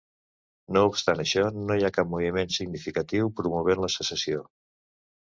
No obstant això, no hi ha cap moviment significatiu promovent la secessió.